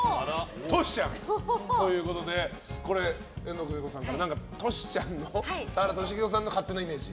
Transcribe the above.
トシちゃんということで遠藤久美子さんから田原俊彦さんの勝手なイメージ。